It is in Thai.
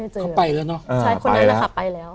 ใช่คนนั้นนะคะไปแล้ว